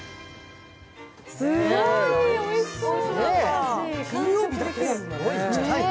すごい、おいしそう。